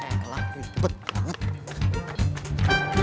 elah putih banget